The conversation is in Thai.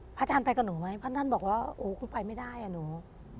อาจารย์ไปกับหนูไหมพระท่านบอกว่าโอ้คุณไปไม่ได้อ่ะหนู